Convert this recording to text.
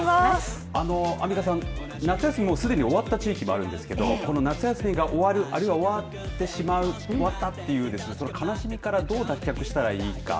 アンミカさん、夏休みすでに終わった地域もあるんですけど夏休みが終わるあるいは終わってしまう悲しみからどう脱却したらいいか。